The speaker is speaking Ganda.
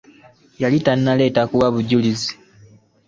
Yali tannaba kuleetebwa kuwa bujulizi.